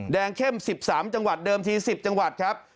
เข้ม๑๓จังหวัดเดิมที๑๐จังหวัดครับ